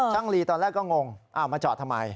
ลีตอนแรกก็งงมาจอดทำไม